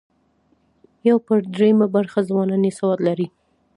یو پر درېیمه برخه ځوانان یې سواد لري.